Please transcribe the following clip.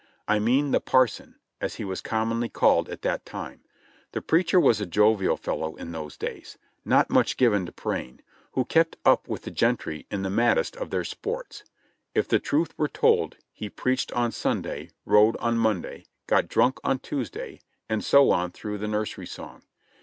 I mean the Parson, as he was commonly called at that time. The preacher was a jovial fellow in those days, not much given to praying; who kept up with the gentry in the maddest of their sports. If the truth were told, he preached on Sunday, rode on Monday, got drunk on Tuesday, and so on through the nursery song.